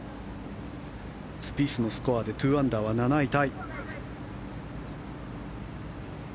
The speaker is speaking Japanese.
スピースのスコアで２アンダーは７位タイ。